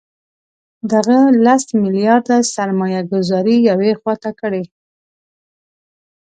دغه لس میلیارده سرمایه ګوزاري یوې خوا ته کړئ.